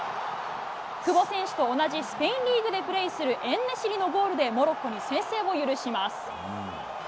久保選手と同じスペインリーグでプレーするエン・ネシリのゴールで、モロッコに先制を許します。